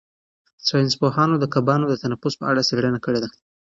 ساینس پوهانو د کبانو د تنفس په اړه څېړنه کړې ده.